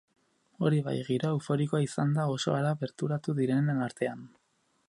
Hori bai, giroa euforikoa izan da oso hara bertaratu direnen artean.